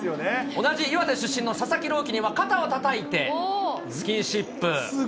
同じ岩手出身の佐々木朗希には、肩をたたいてスキンシップ。